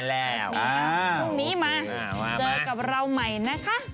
เจอกับเราใหม่นะคะ